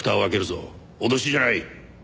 脅しじゃない。